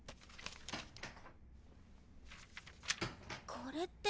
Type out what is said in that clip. これって。